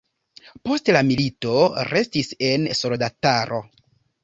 Post la milito restis en soldataro.